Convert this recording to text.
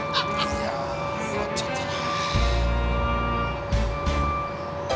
いやよわっちゃったな。